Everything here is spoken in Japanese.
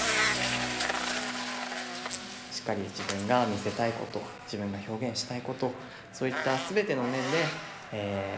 しっかり自分が見せたいこと自分が表現したいことそういった全ての面でえ